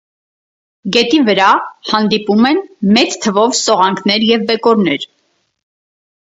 Գետի վրա հանդիպում են մեծ թվով սողանքներ և բեկորներ։